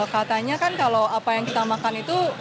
katanya kan kalau apa yang kita makan itu